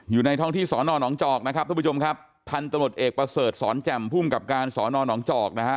อยู่ในท้องที่สอนอนองจอกนะครับทุกผู้ชมครับพันธุ์ตำรวจเอกประเสริฐสอนแจ่มภูมิกับการสอนอนองจอกนะฮะ